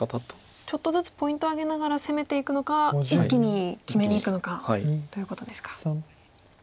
ちょっとずつポイントを挙げながら攻めていくのか一気に決めにいくのかということですか。